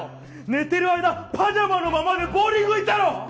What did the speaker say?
寝てる間パジャマのままでボウリング行ったろ！？